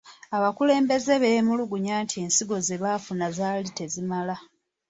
Abakulembeze beemulugunya nti ensigo ze baafuna zaali tezimala